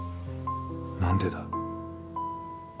何でだ？